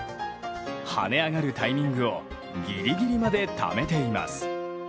跳ね上がるタイミングをギリギリまでためています。